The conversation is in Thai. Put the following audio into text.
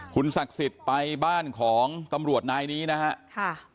คุณศักดิ์สิทธิ์ไปบ้านของตำรวจนายนี้นะครับ